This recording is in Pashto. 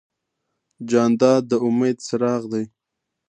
جانداد د امید څراغ دی.